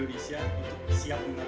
kominfo menjelaskan penyalahgunaan a dan b